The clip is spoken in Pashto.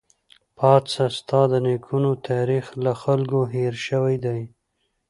پاڅه ! ستا د نيکونو تاريخ له خلکو هېر شوی دی